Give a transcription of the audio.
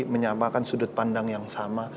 menyamakan sudut pandang yang sama